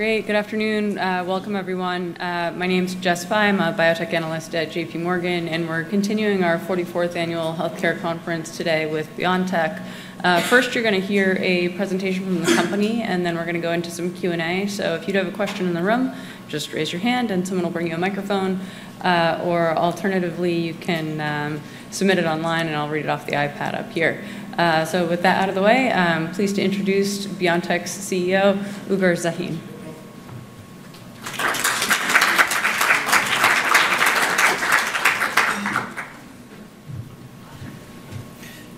Great. Good afternoon. Welcome, everyone. My name's Jess Fye. I'm a biotech analyst at J.P. Morgan, and we're continuing our 44th annual healthcare conference today with BioNTech. First, you're going to hear a presentation from the company, and then we're going to go into some Q&A. So if you have a question in the room, just raise your hand, and someone will bring you a microphone. Or alternatively, you can submit it online, and I'll read it off the iPad up here. So with that out of the way, please to introduce BioNTech's CEO, Ugur Sahin.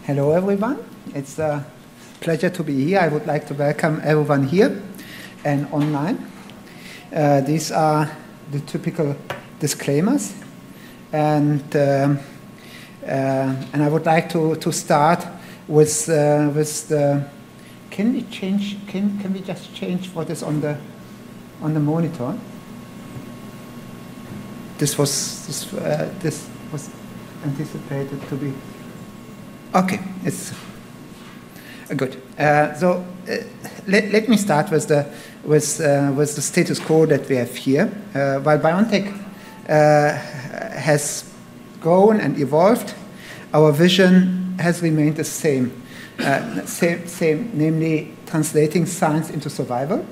Hello, everyone. It's a pleasure to be here. I would like to welcome everyone here and online. These are the typical disclaimers. And I would like to start with the status quo that we have here. While BioNTech has grown and evolved, our vision has remained the same, namely translating science into survival.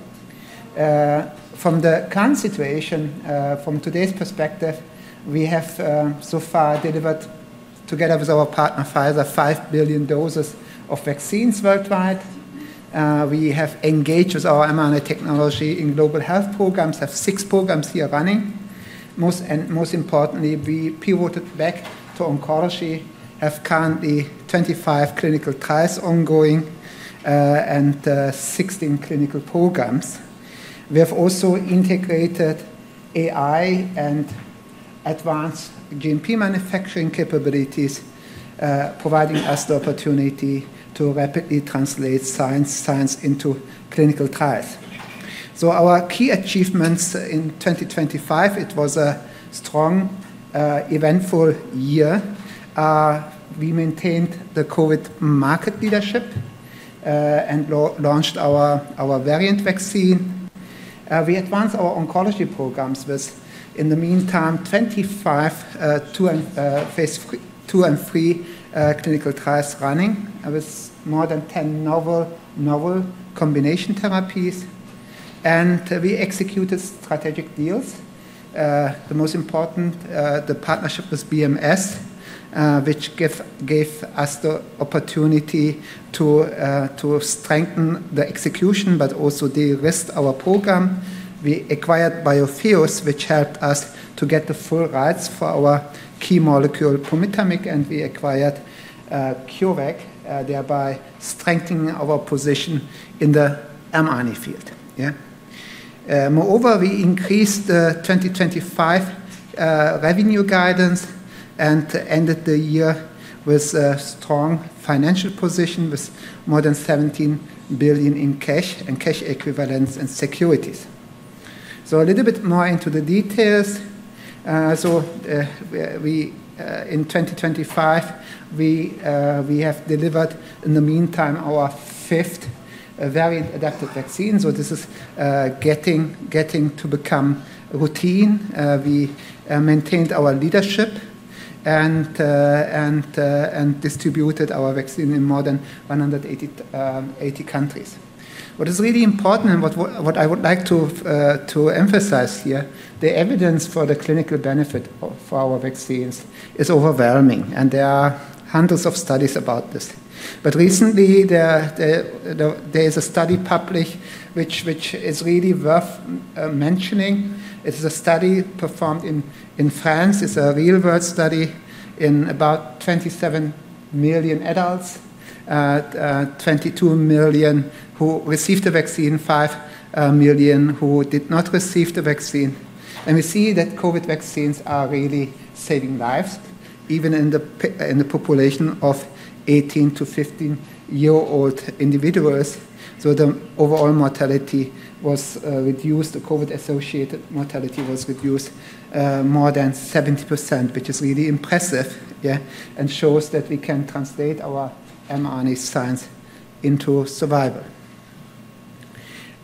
From the current situation, from today's perspective, we have so far delivered, together with our partner Pfizer, five billion doses of vaccines worldwide. We have engaged with our mRNA technology in global health programs. We have six programs here running. Most importantly, we pivoted back to oncology, have currently 25 clinical trials ongoing and 16 clinical programs. We have also integrated AI and advanced GMP manufacturing capabilities, providing us the opportunity to rapidly translate science into clinical trials. Our key achievements in 2025, it was a strong, eventful year. We maintained the COVID market leadership and launched our variant vaccine. We advanced our oncology programs with, in the meantime, 25 phase II and III clinical trials running with more than 10 novel combination therapies. We executed strategic deals. The most important, the partnership with BMS, which gave us the opportunity to strengthen the execution, but also de-risk our program. We acquired Biotheus, which helped us to get the full rights for our key molecule, Prometimic, and we acquired CureVac, thereby strengthening our position in the mRNA field. Moreover, we increased the 2025 revenue guidance and ended the year with a strong financial position with more than $17 billion in cash and cash equivalents and securities. A little bit more into the details. In 2025, we have delivered, in the meantime, our fifth variant adapted vaccine. This is getting to become routine. We maintained our leadership and distributed our vaccine in more than 180 countries. What is really important and what I would like to emphasize here, the evidence for the clinical benefit for our vaccines is overwhelming. There are hundreds of studies about this. Recently, there is a study published which is really worth mentioning. It's a study performed in France. It's a real-world study in about 27 million adults, 22 million who received the vaccine, 5 million who did not receive the vaccine. We see that COVID vaccines are really saving lives, even in the population of 18-50 year-old individuals. The overall mortality was reduced. The COVID-associated mortality was reduced more than 70%, which is really impressive and shows that we can translate our mRNA science into survival.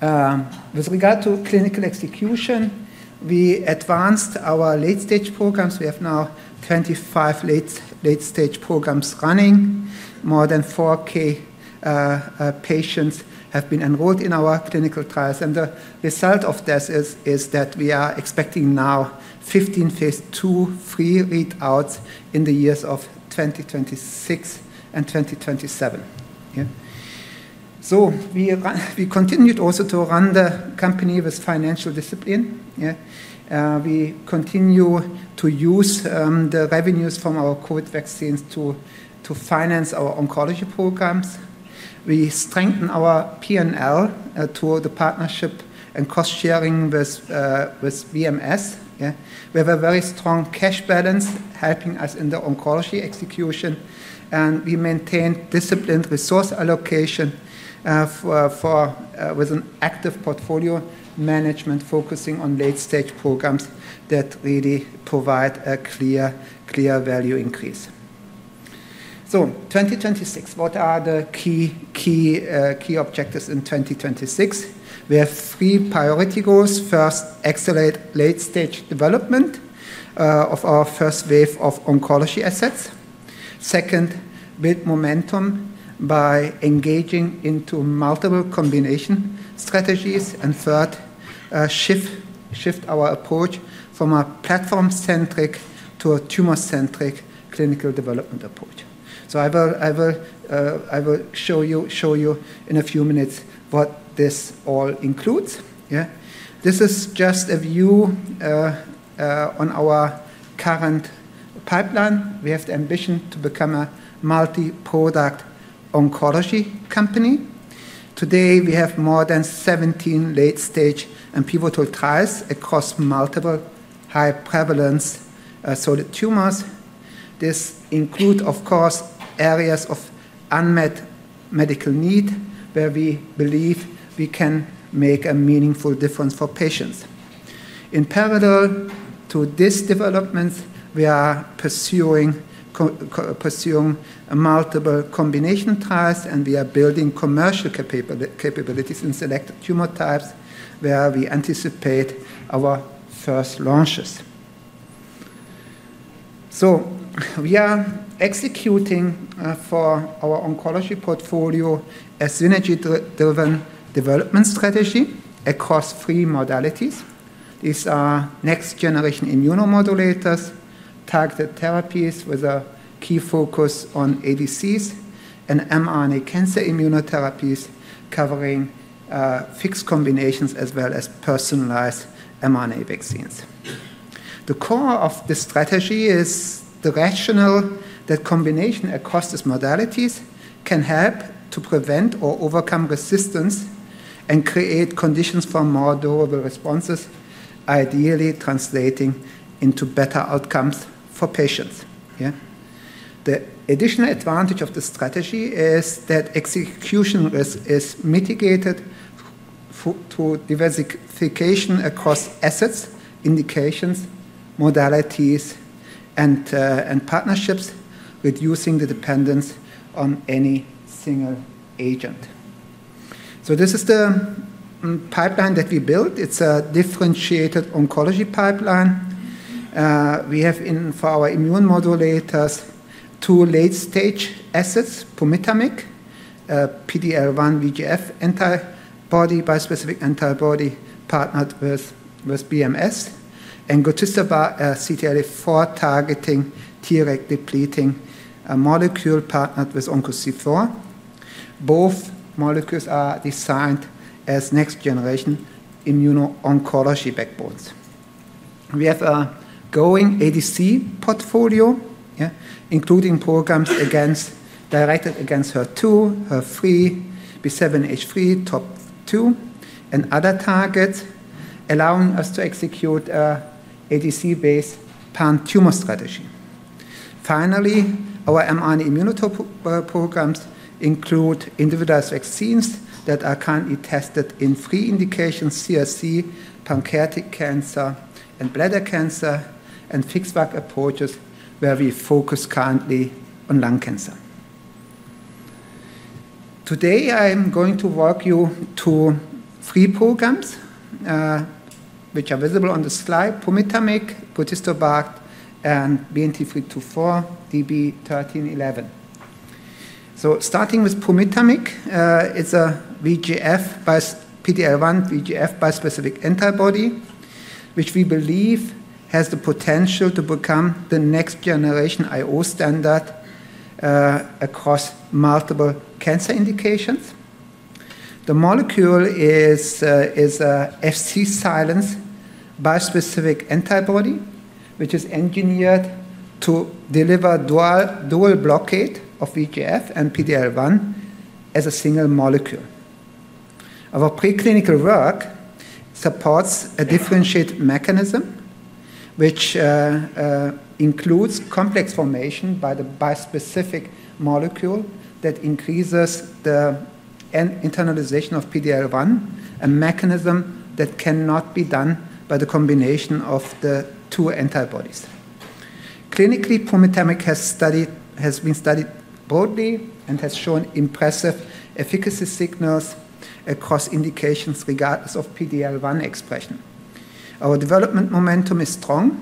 With regard to clinical execution, we advanced our late-stage programs. We have now 25 late-stage programs running. More than 4,000 patients have been enrolled in our clinical trials, and the result of this is that we are expecting now 15 phase III readouts in the years of 2026 and 2027, so we continued also to run the company with financial discipline. We continue to use the revenues from our COVID vaccines to finance our oncology programs. We strengthen our P&L through the partnership and cost sharing with BMS. We have a very strong cash balance helping us in the oncology execution, and we maintain disciplined resource allocation with an active portfolio management focusing on late-stage programs that really provide a clear value increase. So 2026, what are the key objectives in 2026? We have three priority goals. First, accelerate late-stage development of our first wave of oncology assets. Second, build momentum by engaging into multiple combination strategies. And third, shift our approach from a platform-centric to a tumor-centric clinical development approach. So I will show you in a few minutes what this all includes. This is just a view on our current pipeline. We have the ambition to become a multi-product oncology company. Today, we have more than 17 late-stage and pivotal trials across multiple high-prevalence solid tumors. This includes, of course, areas of unmet medical need where we believe we can make a meaningful difference for patients. In parallel to these developments, we are pursuing multiple combination trials, and we are building commercial capabilities in selected tumor types where we anticipate our first launches. We are executing for our oncology portfolio a synergy-driven development strategy across three modalities. These are next-generation immunomodulators, targeted therapies with a key focus on ADCs, and mRNA cancer immunotherapies covering fixed combinations as well as personalized mRNA vaccines. The core of this strategy is the rationale that combination across these modalities can help to prevent or overcome resistance and create conditions for more durable responses, ideally translating into better outcomes for patients. The additional advantage of the strategy is that execution risk is mitigated through diversification across assets, indications, modalities, and partnerships, reducing the dependence on any single agent. This is the pipeline that we built. It's a differentiated oncology pipeline. We have, for our immune modulators, two late-stage assets, Prometimic, PD-L1 VEGF bispecific antibody partnered with BMS, and gotistobart, a CTLA-4 targeting Treg depleting molecule partnered with OncoC4. Both molecules are designed as next-generation immuno-oncology backbones. We have a growing ADC portfolio, including programs directed against HER2, HER3, B7-H3, TROP2, and other targets, allowing us to execute an ADC-based pan-tumor strategy. Finally, our mRNA immunotope programs include individualized vaccines that are currently tested in three indications: CRC, pancreatic cancer, and bladder cancer, and FixVac approaches where we focus currently on lung cancer. Today, I'm going to walk you through three programs which are visible on the slide: Prometimic, Gotistobart, and BNT324, DB-1311. So starting with Prometimic, it's a PD-L1 VEGF bispecific antibody, which we believe has the potential to become the next-generation IO standard across multiple cancer indications. The molecule is an Fc-silenced bispecific antibody, which is engineered to deliver dual blockade of VEGF and PD-L1 as a single molecule. Our preclinical work supports a differentiated mechanism, which includes complex formation by the bispecific molecule that increases the internalization of PD-L1, a mechanism that cannot be done by the combination of the two antibodies. Clinically, Prometimic has been studied broadly and has shown impressive efficacy signals across indications regardless of PD-L1 expression. Our development momentum is strong.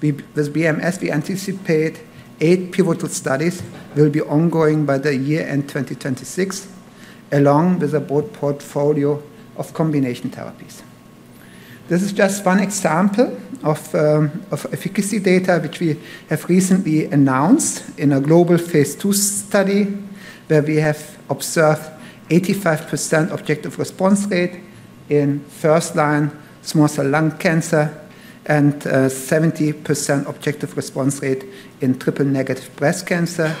With BMS, we anticipate eight pivotal studies will be ongoing by the year-end 2026, along with a broad portfolio of combination therapies. This is just one example of efficacy data which we have recently announced in a global phase II study where we have observed 85% objective response rate in first-line small cell lung cancer and 70% objective response rate in triple-negative breast cancer,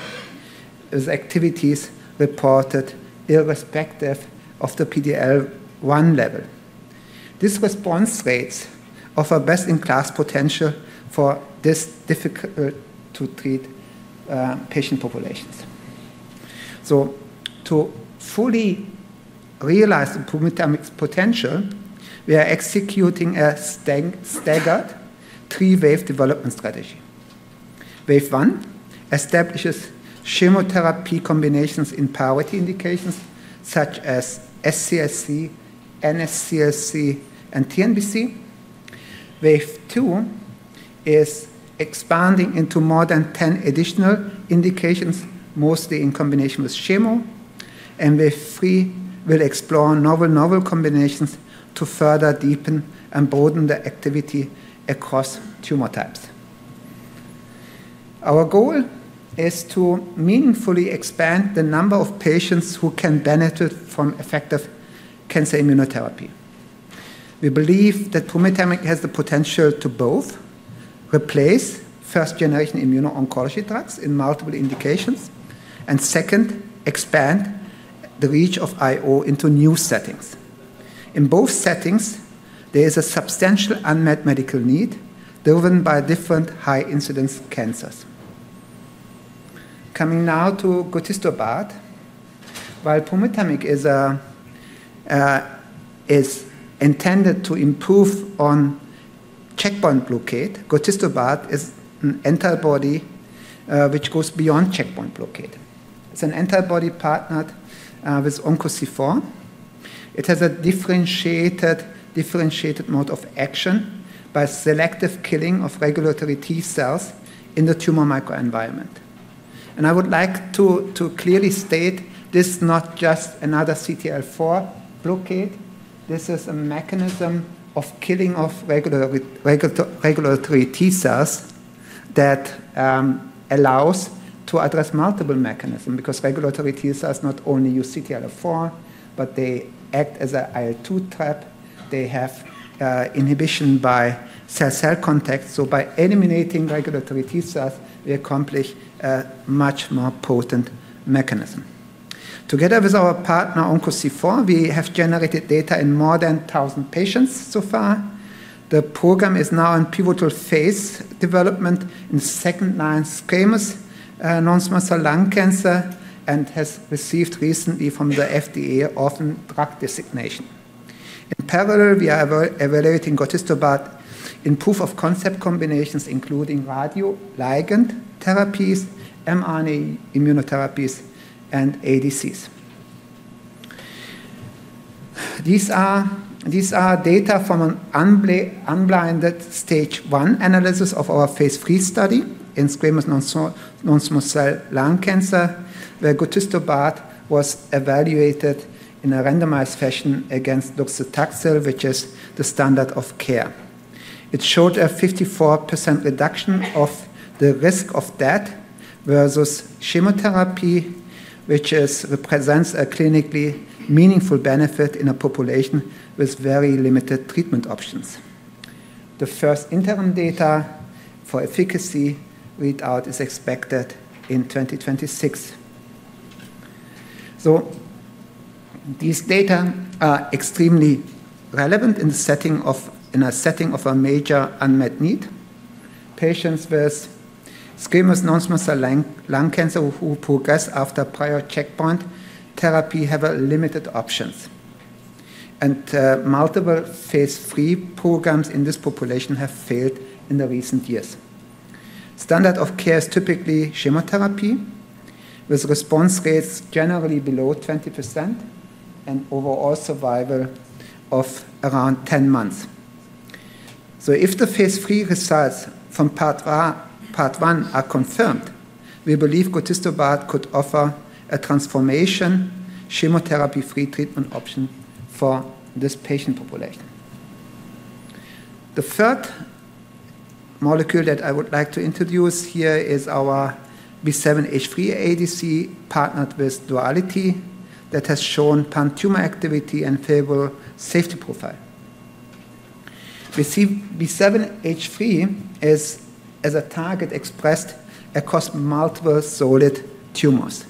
with activities reported irrespective of the PD-L1 level. These response rates offer best-in-class potential for this difficult-to-treat patient population. To fully realize Prometimic's potential, we are executing a staggered three-wave development strategy. Wave 1 establishes chemotherapy combinations in priority indications such as SCLC, NSCLC, and TNBC. Wave 2 is expanding into more than 10 additional indications, mostly in combination with chemo. Wave 3 will explore novel combinations to further deepen and broaden the activity across tumor types. Our goal is to meaningfully expand the number of patients who can benefit from effective cancer immunotherapy. We believe that Prometimic has the potential to both replace first-generation immuno-oncology drugs in multiple indications and, second, expand the reach of IO into new settings. In both settings, there is a substantial unmet medical need driven by different high-incidence cancers. Coming now to Gotistobart. While Prometimic is intended to improve on checkpoint blockade, Gotistobart is an antibody which goes beyond checkpoint blockade. It's an antibody partnered with OncoC4. It has a differentiated mode of action by selective killing of regulatory T cells in the tumor microenvironment. And I would like to clearly state this is not just another CTLA-4 blockade. This is a mechanism of killing of regulatory T cells that allows to address multiple mechanisms because regulatory T cells not only use CTLA-4, but they act as an IL-2 trap. They have inhibition by cell-cell contact. So by eliminating regulatory T cells, we accomplish a much more potent mechanism. Together with our partner, OncoC4, we have generated data in more than 1,000 patients so far. The program is now in pivotal phase development in second-line squamous non-small cell lung cancer and has received recently from the FDA orphan drug designation. In parallel, we are evaluating Gotistobart in proof-of-concept combinations, including radioligand therapies, mRNA immunotherapies, and ADCs. These are data from an unblinded stage 1 analysis of our phase III study in squamous non-small cell lung cancer, where Gotistobart was evaluated in a randomized fashion against docetaxel, which is the standard of care. It showed a 54% reduction of the risk of death versus chemotherapy, which represents a clinically meaningful benefit in a population with very limited treatment options. The first interim data for efficacy readout is expected in 2026, so these data are extremely relevant in the setting of a major unmet need. Patients with squamous non-small cell lung cancer who progress after prior checkpoint therapy have limited options, and multiple phase III programs in this population have failed in the recent years. Standard of care is typically chemotherapy with response rates generally below 20% and overall survival of around 10 months. So if the phase III results from part 1 are confirmed, we believe Gotistobart could offer a transformation chemotherapy-free treatment option for this patient population. The third molecule that I would like to introduce here is our B7-H3 ADC partnered with Duality that has shown pan-tumor activity and favorable safety profile. B7-H3 is a target expressed across multiple solid tumors.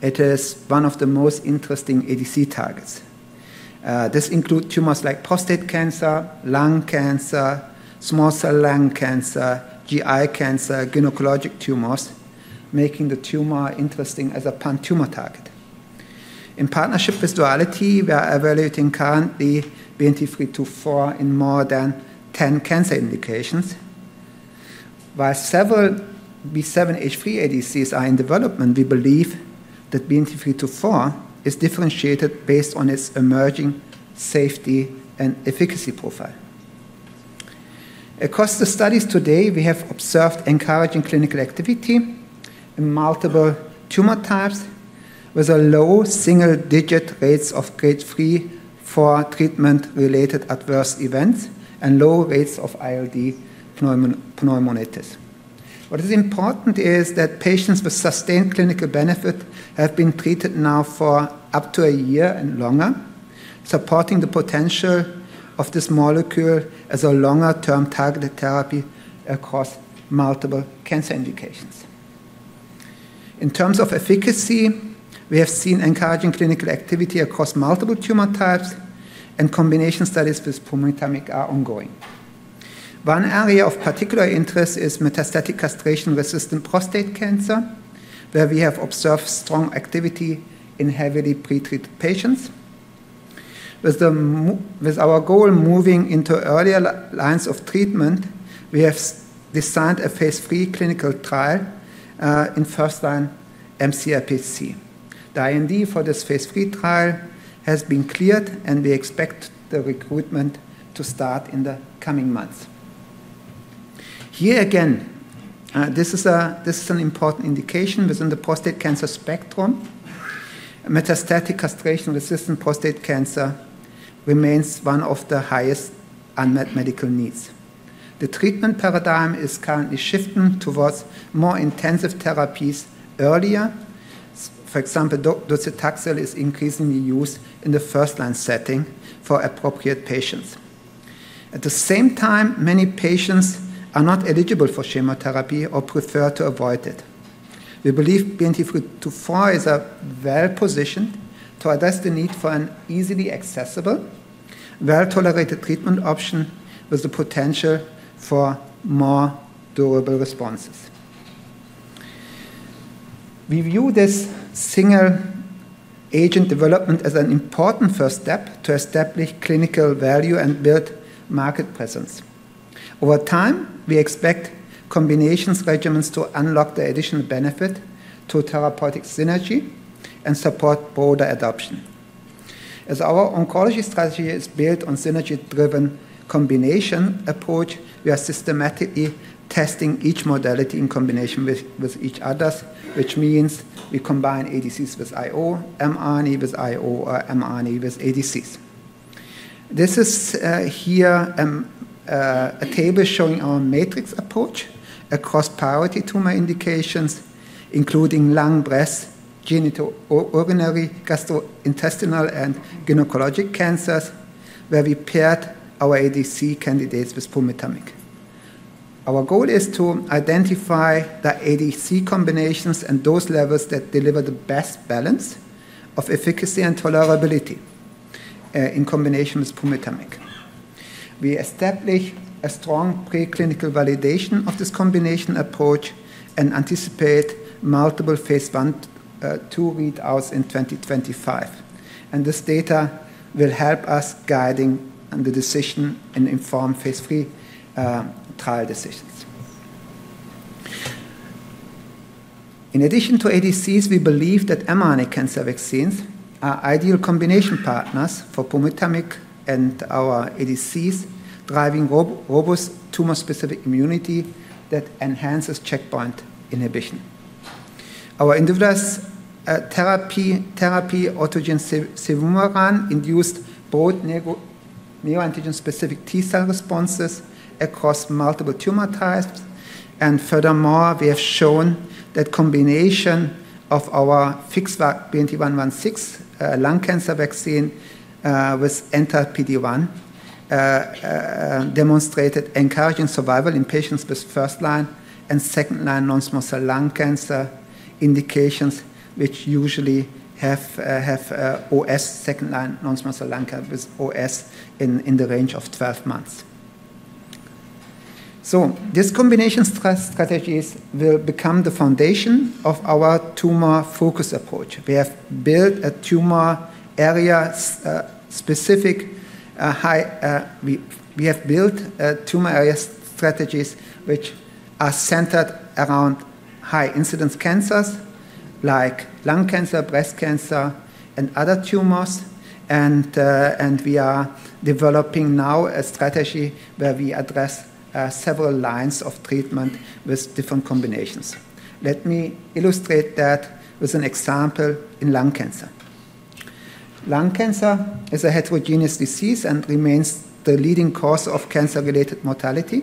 It is one of the most interesting ADC targets. This includes tumors like prostate cancer, lung cancer, small cell lung cancer, GI cancer, gynecologic tumors, making the tumor interesting as a pan-tumor target. In partnership with Duality, we are evaluating currently BNT324 in more than 10 cancer indications. While several B7-H3 ADCs are in development, we believe that BNT324 is differentiated based on its emerging safety and efficacy profile. Across the studies today, we have observed encouraging clinical activity in multiple tumor types with low single-digit rates of grade 3 for treatment-related adverse events and low rates of ILD pneumonitis. What is important is that patients with sustained clinical benefit have been treated now for up to a year and longer, supporting the potential of this molecule as a longer-term targeted therapy across multiple cancer indications. In terms of efficacy, we have seen encouraging clinical activity across multiple tumor types, and combination studies with Prometimic are ongoing. One area of particular interest is metastatic castration-resistant prostate cancer, where we have observed strong activity in heavily pretreated patients. With our goal moving into earlier lines of treatment, we have designed a phase III clinical trial in first-line MCRPC. The IND for this phase III trial has been cleared, and we expect the recruitment to start in the coming months. Here again, this is an important indication within the prostate cancer spectrum. Metastatic castration-resistant prostate cancer remains one of the highest unmet medical needs. The treatment paradigm is currently shifting towards more intensive therapies earlier. For example, docetaxel is increasingly used in the first-line setting for appropriate patients. At the same time, many patients are not eligible for chemotherapy or prefer to avoid it. We believe BNT324 is well-positioned to address the need for an easily accessible, well-tolerated treatment option with the potential for more durable responses. We view this single-agent development as an important first step to establish clinical value and build market presence. Over time, we expect combination regimens to unlock the additional benefit to therapeutic synergy and support broader adoption. As our oncology strategy is built on synergy-driven combination approach, we are systematically testing each modality in combination with each other's, which means we combine ADCs with IO, mRNA with IO, or mRNA with ADCs. This is here a table showing our matrix approach across priority tumor indications, including lung, breast, genitourinary, gastrointestinal, and gynecologic cancers, where we paired our ADC candidates with Prometimic. Our goal is to identify the ADC combinations and dose levels that deliver the best balance of efficacy and tolerability in combination with Prometimic. We establish a strong preclinical validation of this combination approach and anticipate multiple phase I/II readouts in 2025, and this data will help us guiding the decision and inform phase III trial decisions. In addition to ADCs, we believe that mRNA cancer vaccines are ideal combination partners for Prometimic and our ADCs, driving robust tumor-specific immunity that enhances checkpoint inhibition. Our individualized therapy, autogene cevumeran, induced both neoantigen-specific T cell responses across multiple tumor types. And furthermore, we have shown that combination of our BNT116 lung cancer vaccine with anti-PD1 demonstrated encouraging survival in patients with first-line and second-line non-small cell lung cancer indications, which usually have OS, second-line non-small cell lung cancer with OS in the range of 12 months. So these combination strategies will become the foundation of our tumor-focused approach. We have built tumor area strategies which are centered around high-incidence cancers like lung cancer, breast cancer, and other tumors. And we are developing now a strategy where we address several lines of treatment with different combinations. Let me illustrate that with an example in lung cancer. Lung cancer is a heterogeneous disease and remains the leading cause of cancer-related mortality.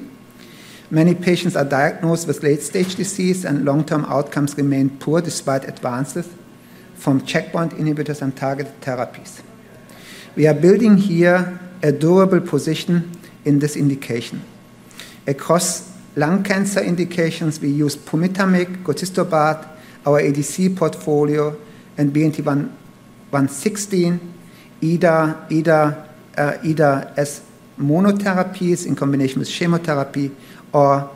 Many patients are diagnosed with late-stage disease, and long-term outcomes remain poor despite advances from checkpoint inhibitors and targeted therapies. We are building here a durable position in this indication. Across lung cancer indications, we use Prometimic, Gotistobart, our ADC portfolio, and BNT116, either as monotherapies in combination with chemotherapy or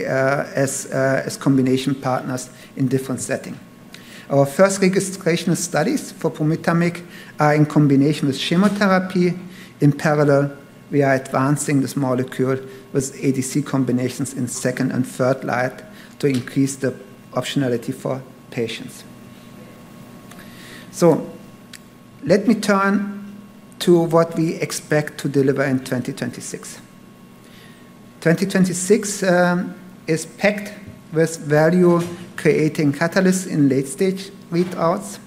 as combination partners in different settings. Our first registration studies for Prometimic are in combination with chemotherapy. In parallel, we are advancing this molecule with ADC combinations in second- and third-line to increase the optionality for patients, so let me turn to what we expect to deliver in 2026. 2026 is packed with value-creating catalysts in late-stage readouts.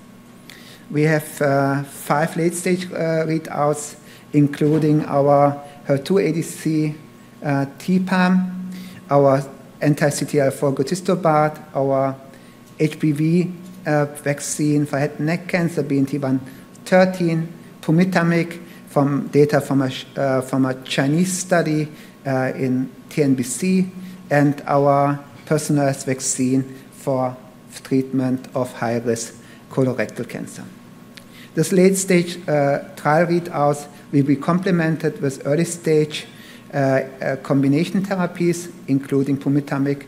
We have five late-stage readouts, including our HER2 ADC TPAM, our anti-CTLA-4 Gotistobart, our HPV vaccine for head and neck cancer, BNT113, Prometimic from data from a Chinese study in TNBC, and our personalized vaccine for treatment of high-risk colorectal cancer. This late-stage trial readouts will be complemented with early-stage combination therapies, including Prometimic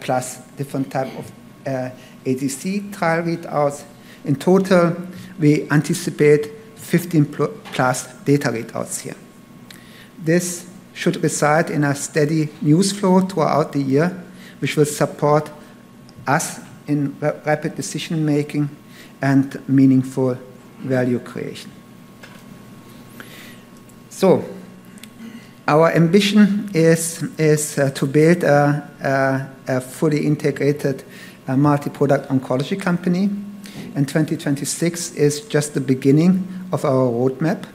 plus different types of ADC trial readouts. In total, we anticipate 15+ data readouts here. This should result in a steady news flow throughout the year, which will support us in rapid decision-making and meaningful value creation. Our ambition is to build a fully integrated multi-product oncology company, and 2026 is just the beginning of our roadmap.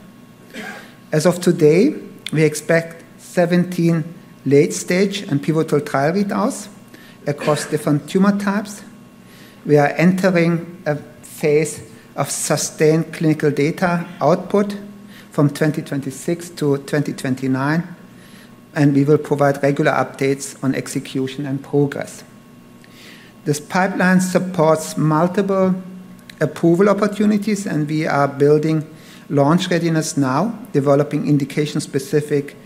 As of today, we expect 17 late-stage and pivotal trial readouts across different tumor types. We are entering a phase of sustained clinical data output from 2026 to 2029, and we will provide regular updates on execution and progress. This pipeline supports multiple approval opportunities, and we are building launch readiness now, developing indication-specific expertise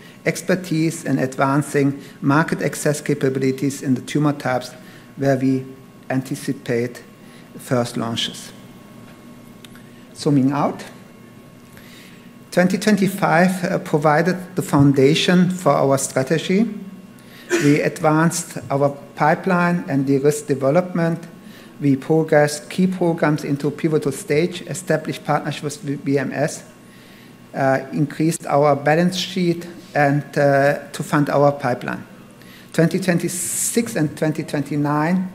and advancing market access capabilities in the tumor types where we anticipate first launches. Summing up, 2025 provided the foundation for our strategy. We advanced our pipeline and R&D. We progressed key programs into pivotal stage, established partnerships with BMS, increased our balance sheet, and to fund our pipeline. 2026 and 2029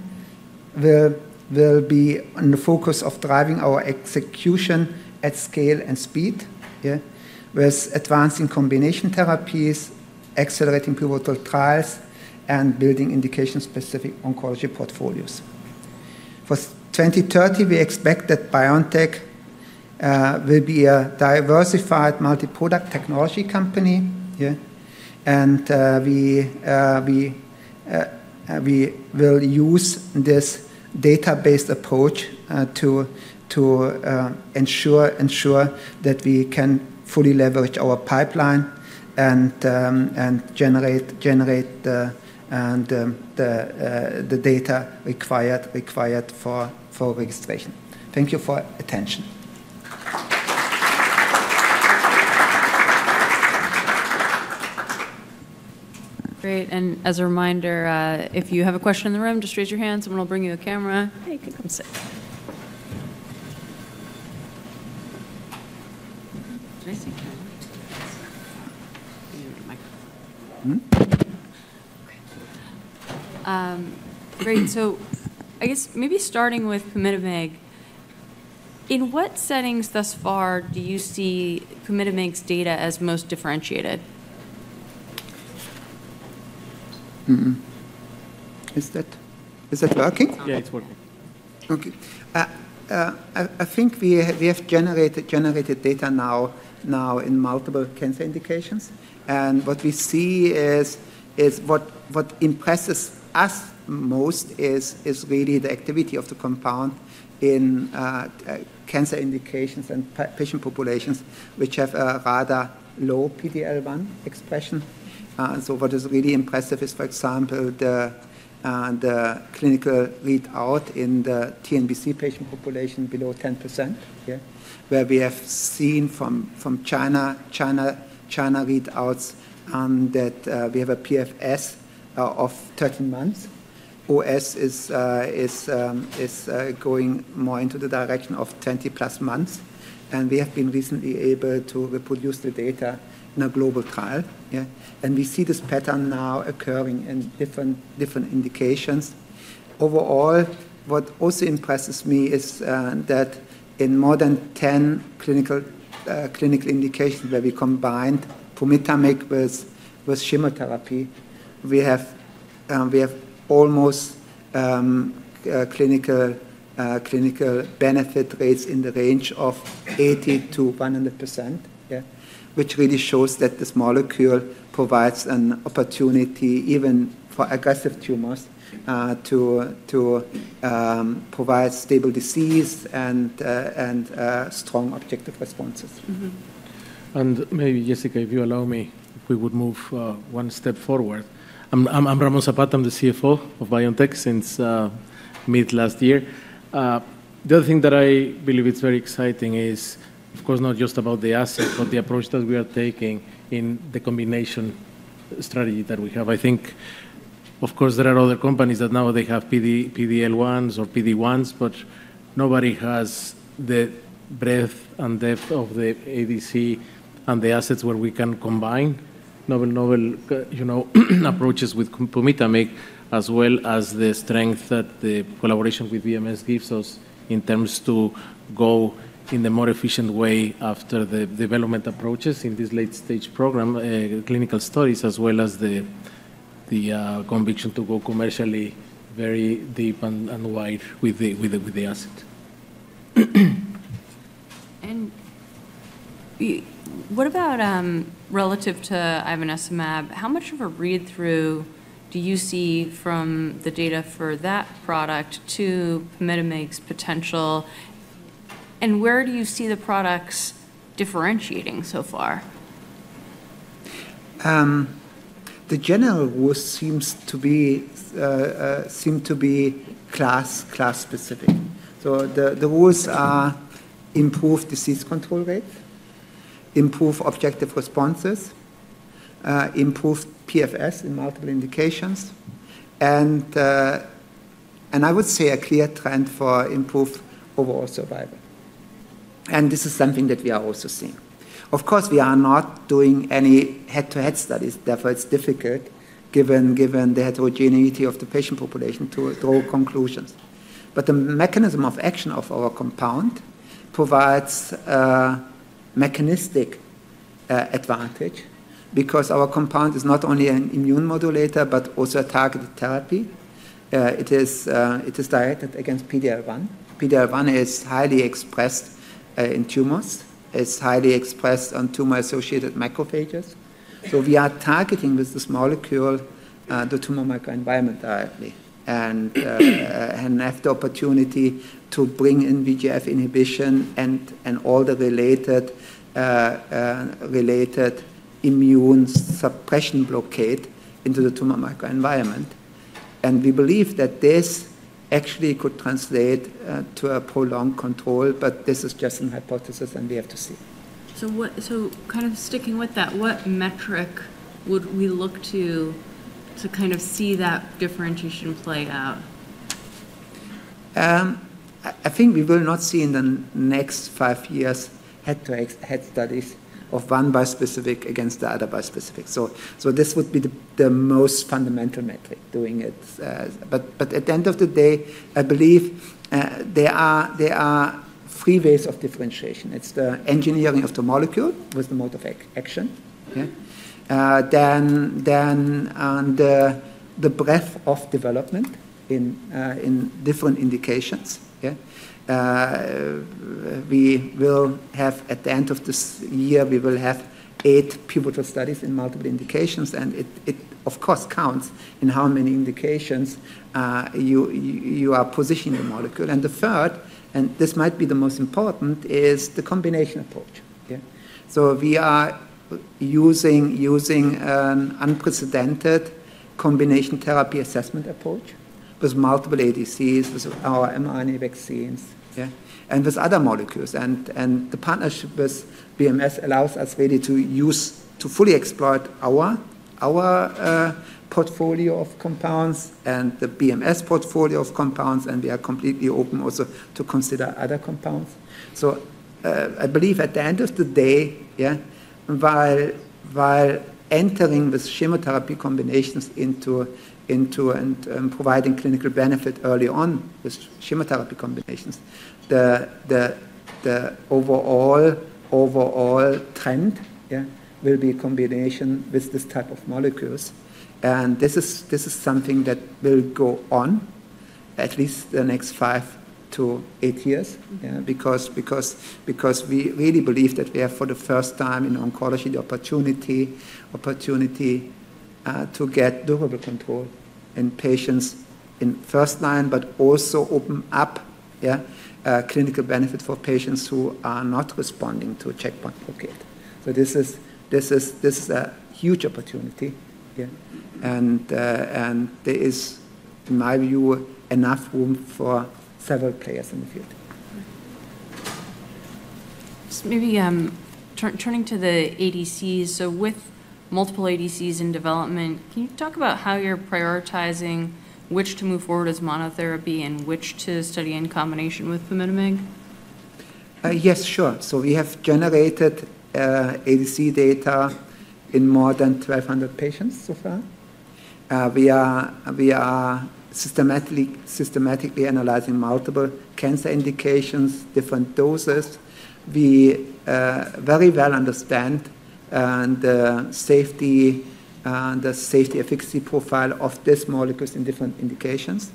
will be in the focus of driving our execution at scale and speed here with advancing combination therapies, accelerating pivotal trials, and building indication-specific oncology portfolios. For 2030, we expect that BioNTech will be a diversified multi-product technology company here, and we will use this data-based approach to ensure that we can fully leverage our pipeline and generate the data required for registration. Thank you for your attention. Great. And as a reminder, if you have a question in the room, just raise your hand, someone will bring you a camera. You can come sit. Okay. Great. So I guess maybe starting with Prometimic, in what settings thus far do you see Prometimic's data as most differentiated? Is that working? Yeah, it's working. Okay. I think we have generated data now in multiple cancer indications. And what we see is what impresses us most is really the activity of the compound in cancer indications and patient populations, which have a rather low PD-L1 expression. So what is really impressive is, for example, the clinical readout in the TNBC patient population below 10%, where we have seen from China readouts that we have a PFS of 13 months. OS is going more into the direction of 20+ months. And we have been recently able to reproduce the data in a global trial. And we see this pattern now occurring in different indications. Overall, what also impresses me is that in more than 10 clinical indications where we combined Prometimic with chemotherapy, we have almost clinical benefit rates in the range of 80%-100%, which really shows that this molecule provides an opportunity even for aggressive tumors to provide stable disease and strong objective responses. Maybe, Jessica, if you allow me, we would move one step forward. I'm Ramón Zapata. I'm the CFO of BioNTech since mid last year. The other thing that I believe is very exciting is, of course, not just about the asset, but the approach that we are taking in the combination strategy that we have. I think, of course, there are other companies that now they have PD-L1s or PD-1s, but nobody has the breadth and depth of the ADC and the assets where we can combine novel approaches with Prometimic, as well as the strength that the collaboration with BMS gives us in terms to go in the more efficient way after the development approaches in this late-stage program, clinical studies, as well as the conviction to go commercially very deep and wide with the asset. What about relative to ivonescimab? How much of a read-through do you see from the data for that product to Prometimic's potential? Where do you see the products differentiating so far? The general rules seem to be class-specific, so the rules are improved disease control rate, improved objective responses, improved PFS in multiple indications, and I would say a clear trend for improved overall survival, and this is something that we are also seeing. Of course, we are not doing any head-to-head studies. Therefore, it's difficult given the heterogeneity of the patient population to draw conclusions, but the mechanism of action of our compound provides a mechanistic advantage because our compound is not only an immune modulator, but also a targeted therapy. It is directed against PD-L1. PD-L1 is highly expressed in tumors. It's highly expressed on tumor-associated macrophages, so we are targeting with this molecule the tumor microenvironment directly and have the opportunity to bring in VEGF inhibition and all the related immune suppression blockade into the tumor microenvironment. We believe that this actually could translate to a prolonged control, but this is just a hypothesis, and we have to see. So kind of sticking with that, what metric would we look to kind of see that differentiation play out? I think we will not see in the next five years head-to-head studies of one bi-specific against the other bi-specific. So this would be the most fundamental metric doing it. But at the end of the day, I believe there are three ways of differentiation. It's the engineering of the molecule with the mode of action. Then the breadth of development in different indications. We will have, at the end of this year, we will have eight pivotal studies in multiple indications. And it, of course, counts in how many indications you are positioning the molecule. And the third, and this might be the most important, is the combination approach. So we are using an unprecedented combination therapy assessment approach with multiple ADCs, with our mRNA vaccines, and with other molecules. And the partnership with BMS allows us really to fully exploit our portfolio of compounds and the BMS portfolio of compounds. And we are completely open also to consider other compounds. So I believe at the end of the day, while entering with chemotherapy combinations into and providing clinical benefit early on with chemotherapy combinations, the overall trend will be combination with this type of molecules. And this is something that will go on at least the next five to eight years because we really believe that we have, for the first time in oncology, the opportunity to get durable control in patients in first line, but also open up clinical benefit for patients who are not responding to checkpoint blockade. So this is a huge opportunity. And there is, in my view, enough room for several players in the field. Just maybe turning to the ADCs. So with multiple ADCs in development, can you talk about how you're prioritizing which to move forward as monotherapy and which to study in combination with Prometimic? Yes, sure. So we have generated ADC data in more than 1,200 patients so far. We are systematically analyzing multiple cancer indications, different doses. We very well understand the safety efficacy profile of these molecules in different indications.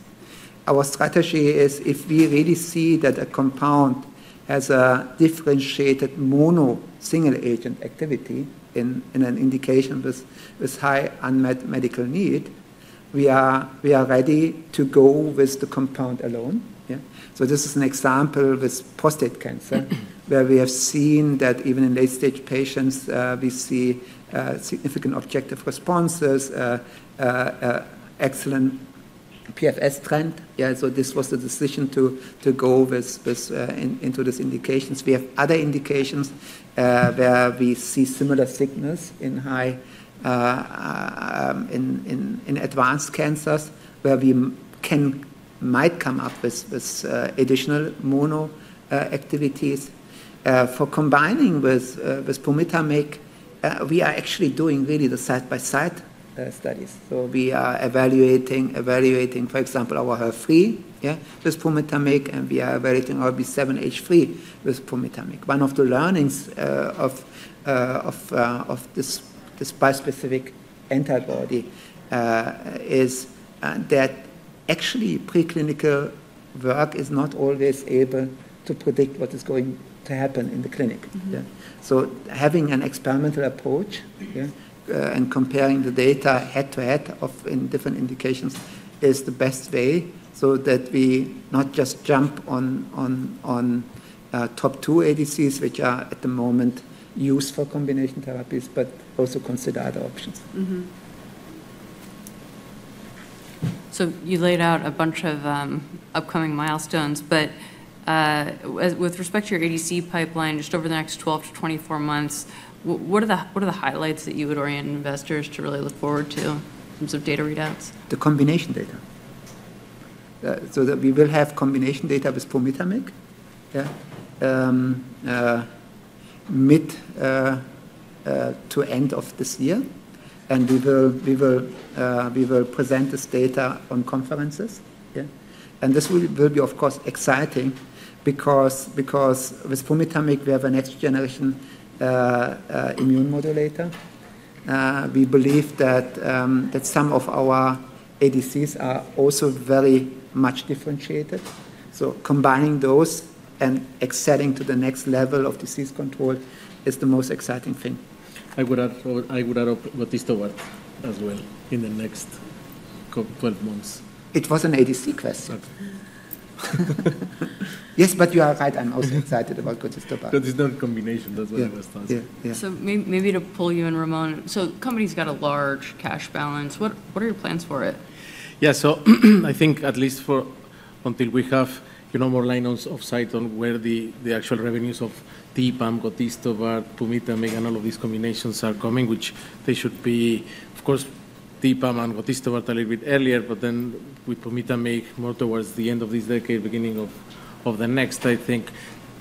Our strategy is if we really see that a compound has a differentiated mono single-agent activity in an indication with high unmet medical need, we are ready to go with the compound alone. So this is an example with prostate cancer, where we have seen that even in late-stage patients, we see significant objective responses, excellent PFS trend. So this was the decision to go into these indications. We have other indications where we see similar signals in advanced cancers, where we might come up with additional mono activities. For combining with Prometimic, we are actually doing really the side-by-side studies. We are evaluating, for example, our HER3 with Prometimic, and we are evaluating B7-H3 with Prometimic. One of the learnings of this bispecific antibody is that actually preclinical work is not always able to predict what is going to happen in the clinic. Having an experimental approach and comparing the data head-to-head in different indications is the best way so that we not just jump on TROP2 ADCs, which are at the moment used for combination therapies, but also consider other options. So you laid out a bunch of upcoming milestones. But with respect to your ADC pipeline, just over the next 12-24 months, what are the highlights that you would orient investors to really look forward to in terms of data readouts? The combination data. So we will have combination data with Prometimic mid to end of this year. And we will present this data on conferences. And this will be, of course, exciting because with Prometimic, we have a next-generation immune modulator. We believe that some of our ADCs are also very much differentiated. So combining those and excelling to the next level of disease control is the most exciting thing. I would add what is the word as well in the next 12 months. It was an ADC question. Okay. Yes, but you are right. I'm also excited about Gotistobart. Gotistobart combination, that's what I was thinking. So maybe to pull you in, Ramón. So the company's got a large cash balance. What are your plans for it? Yeah. So I think at least until we have more line of sight on where the actual revenues of TPAM, Gotistobart, Prometimic, and all of these combinations are coming, which they should be, of course, TPAM and Gotistobart a little bit earlier, but then with Prometimic more towards the end of this decade, beginning of the next, I think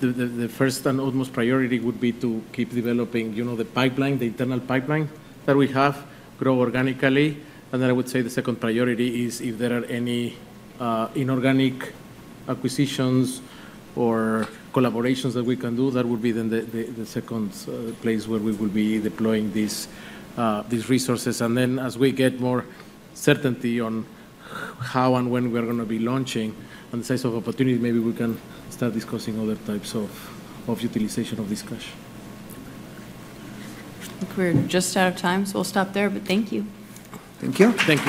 the first and utmost priority would be to keep developing the internal pipeline that we have, grow organically. And then I would say the second priority is if there are any inorganic acquisitions or collaborations that we can do, that would be then the second place where we will be deploying these resources. And then as we get more certainty on how and when we are going to be launching and the size of opportunity, maybe we can start discussing other types of utilization of this cash. I think we're just out of time, so we'll stop there. But thank you. Thank you. Thank.